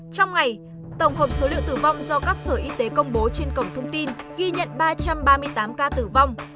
trong ngày tổng hợp số liệu tử vong do các sở y tế công bố trên cổng thông tin ghi nhận ba trăm ba mươi tám ca tử vong